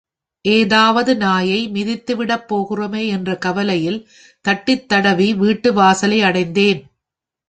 ஏதாவது நாயை மிதித்துவிடப் போகிறோமே என்ற கவலையில் தட்டித் தடவி வீட்டு வாசலை அடைந்தேன்.